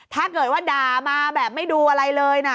ถ้าเกิดว่าด่ามาแบบไม่ดูอะไรเลยนะ